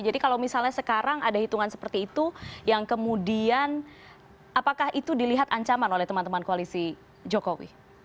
jadi kalau misalnya sekarang ada hitungan seperti itu yang kemudian apakah itu dilihat ancaman oleh teman teman koalisi jokowi